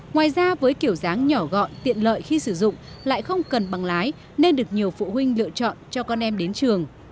ngoài ra với kiểu dáng nhỏ gọn tiện lợi khi sử dụng lại không cần bằng lái nên được nhiều phụ huynh lựa chọn cho con em đến trường